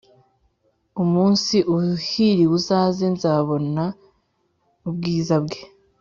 Umunsi uhiriw’ uzaza Nzamubonana ubwiza bwe